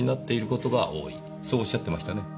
そうおっしゃってましたね？